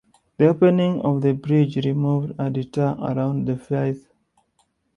The opening of the bridge removed a detour around the firth.